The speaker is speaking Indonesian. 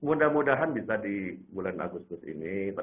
mudah mudahan bisa di bulan agustus ini